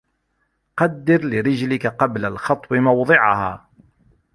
قَدِّرْ لِرِجْلِكَ قبل الخطو موضعها